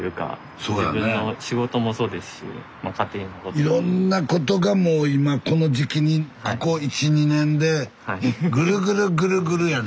いろんなことがもう今この時期にここ１２年でぐるぐるぐるぐるやね。